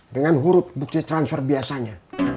dengan huruf bukti transfer biasanya